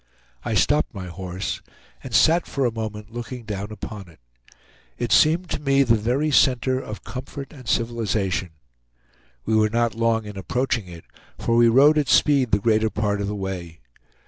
I stopped my horse, and sat for a moment looking down upon it. It seemed to me the very center of comfort and civilization. We were not long in approaching it, for we rode at speed the greater part of the way.